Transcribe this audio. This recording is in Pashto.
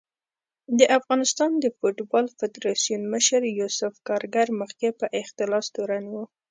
د افغانستان د فوټبال فدارسیون مشر یوسف کارګر مخکې په اختلاس تورن و